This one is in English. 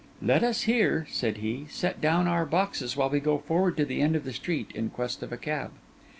'Let us here,' said he, 'set down our boxes, while we go forward to the end of the street in quest of a cab.